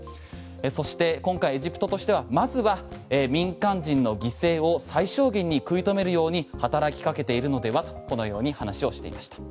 そして今回エジプトとしてはまずは民間人の犠牲を最小限に食い止めるように働きかけているのではと話をしていました。